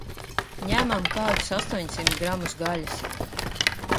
Ņemam kādus astoņsimt gramus gaļas.